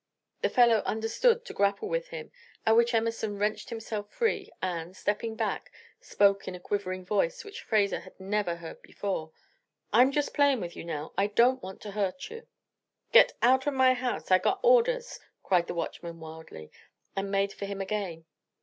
The fellow undertook to grapple with him, at which Emerson wrenched himself free, and, stepping back, spoke in a quivering voice which Fraser had never heard before: "I'm just playing with you now I don't want to hurt you." "Get out of my house! Ay got orders!" cried the watchman wildly, and made for him again.